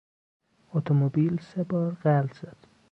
اتومبیل سه بار غلت زد.